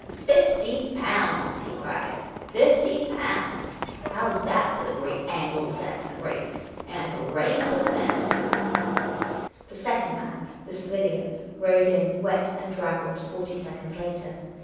' Fifty pounds !" he cried. '' Fifty pounds ! How 's that for the great Anglo Saxon race ! And hooray for the Manitou !" The second man, the civilian, rode in, wet and draggled, forty seconds later.